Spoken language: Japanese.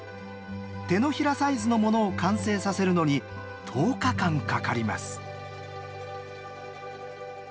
手のひらサイズのものを完成させるのに１０日間かかります。